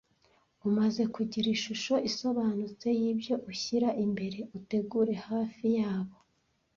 Umaze kugira ishusho isobanutse yibyo ushyira imbere utegure hafi yabo.